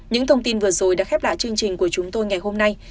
những thông tin vừa rồi đã khép lại chương trình của chúng tôi ngày hôm nay